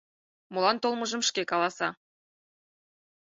Молан толмыжым шке каласа.